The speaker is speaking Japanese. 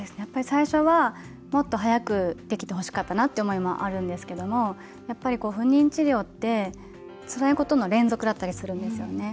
最初はもっと早くできてほしかったなという思いもあるんですけどやっぱり、不妊治療ってつらいことの連続だったりするんですよね。